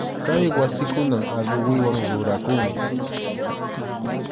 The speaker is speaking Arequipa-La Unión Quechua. Kay wasikunan aruwiwan rurakunku.